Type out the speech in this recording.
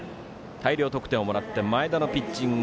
大量得点をもらって前田のピッチング